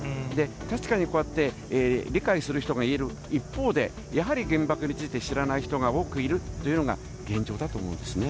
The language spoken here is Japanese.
確かにこうやって理解する人がいる一方で、やはり原爆について知らない人が多くいるというのが現状だと思うんですね。